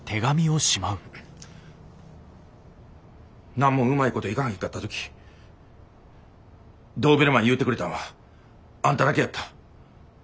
何もうまいこといかへんかった時ドーベルマン言うてくれたんはあんただけやった。